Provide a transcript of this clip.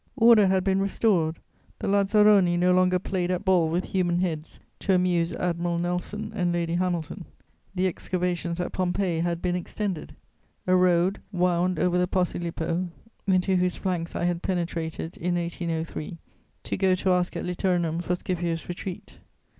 Order had been restored; the lazzaroni no longer played at ball with human heads to amuse Admiral Nelson and Lady Hamilton. The excavations at Pompeii had been extended; a road wound over the Posilipo, into whose flanks I had penetrated, in 1803, to go to ask at Liternum for Scipio's retreat.